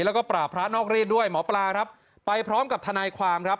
แล้วก็ปราบพระนอกรีดด้วยหมอปลาครับไปพร้อมกับทนายความครับ